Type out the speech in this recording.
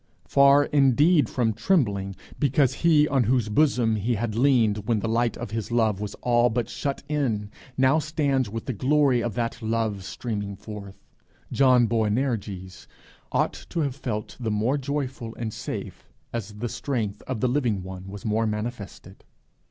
Far indeed from trembling because he on whose bosom he had leaned when the light of his love was all but shut in now stands with the glory of that love streaming forth, John Boanerges ought to have felt the more joyful and safe as the strength of the living one was more manifested.